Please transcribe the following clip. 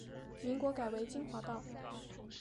民国改为金华道。